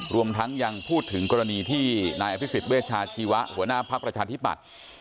รวมทั้งยังพูดถึงกรณีที่นายอภิษฎเวชาชีวะหัวหน้าภักดิ์ประชาธิบัติ